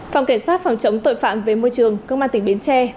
phòng kiểm soát phòng chống tội phạm về môi trường công an tỉnh bến tre